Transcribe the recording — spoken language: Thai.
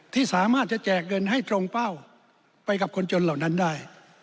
ที่สามารถจะแจกเงินให้ตรงเป้าไปกับคนจนเหล่านั้นได้